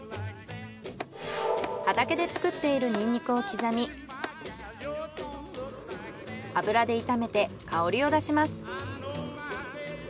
畑で作っているニンニクを刻み油で炒めて香りを出します。